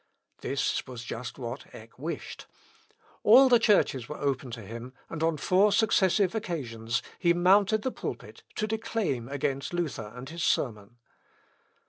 This was just what Eck wished. All the churches were open to him, and on four successive occasions he mounted the pulpit to declaim against Luther and his sermon.